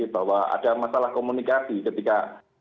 bahwa ada masalah komunikasi ketika